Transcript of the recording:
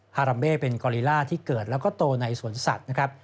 ราเม่เป็นกอลิล่าที่เกิดแล้วก็โตในสวนสัตว์นะครับ